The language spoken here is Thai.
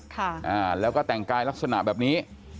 ค่ะอ่าแล้วก็แต่งกายลักษณะแบบนี้